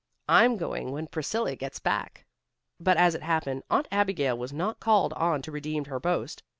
"I'm going when Priscilla gets back." But, as it happened, Aunt Abigail was not called on to redeem her boast.